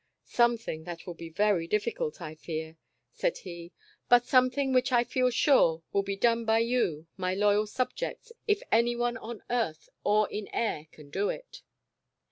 "Something that will be very difficult, I fear," said he, "but something which I feel sure, will be done by you, my loyal subjects, if anyone on earth or in air can do it."